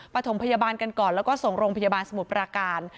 ถมพยาบาลกันก่อนแล้วก็ส่งโรงพยาบาลสมุทรปราการ